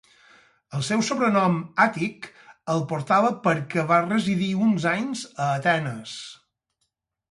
El seu sobrenom Àtic el portava perquè va residir uns anys a Atenes.